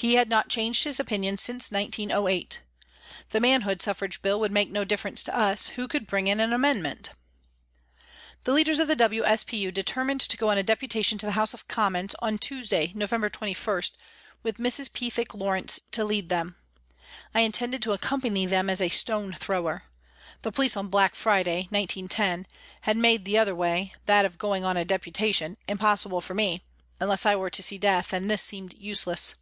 He had not changed his opinion since 1908. The Manhood Suffrage Bill would make no difference to us, who could bring in an amendment ! The leaders of the W.S.P.U. determined to go on a deputation to the House of Commons on Tuesday, November 21, with Mrs. Pethick Lawrence to lead them. I intended to accompany them as a stone thrower; the police on Black Friday (1910) had made the other way that of going on a deputation impossible for me, unless I were to see death, and this seemed useless.